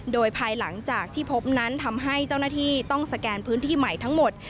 โดยภายหลังจากที่พบนั้นทำให้เจ้าหน้าที่ต้องสแกนพื้นที่ใหม่ทั้งหมด